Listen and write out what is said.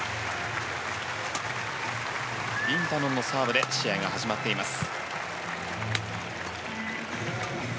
インタノンのサーブで試合が始まっています。